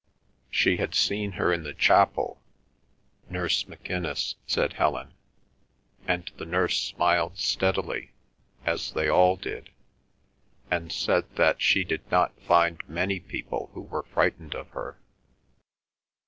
She had seen her in the chapel. "Nurse McInnis," said Helen, and the nurse smiled steadily as they all did, and said that she did not find many people who were frightened of her.